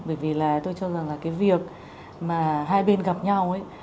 bởi vì là tôi cho rằng là cái việc mà hai bên gặp nhau ấy